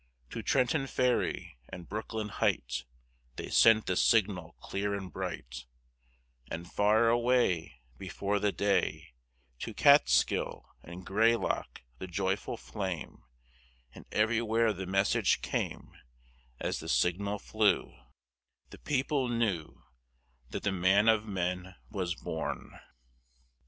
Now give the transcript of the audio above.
To Trenton Ferry and Brooklyn Height They sent the signal clear and bright, And far away, Before the day, To Kaatskill and Greylock the joyful flame And everywhere the message came, As the signal flew The people knew That the man of men was born!